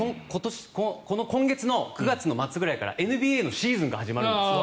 今月の９月の待つぐらいからＮＢＡのシーズンが始まるんです。